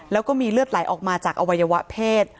แล้วก็มีเลือดไหลออกมาจากอวัยวะเพศ